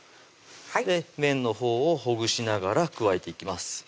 はい麺のほうをほぐしながら加えていきます